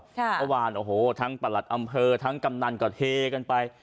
เมื่อวานโอ้โหทั้งประหลัดอำเภอทั้งกำนันก็เทกันไป